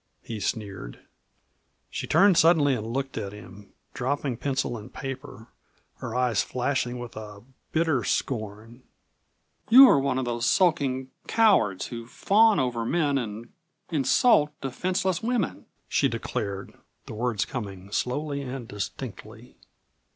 he sneered. She turned suddenly and looked at him, dropping pencil and paper, her eyes flashing with a hitter scorn. "You are one of those sulking cowards who fawn over men and insult defenseless women!" she declared, the words coming slowly and distinctly.